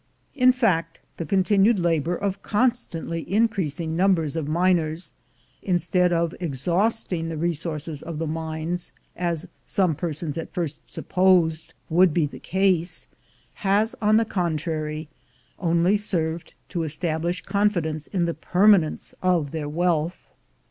In fact, the continued labor of constantly increasing numbers of miners, instead of exhausting the resources of the mines, as some persons at first supposed would be the case, has, on the contrary, only served to establish confidence in the permanence of their wealth.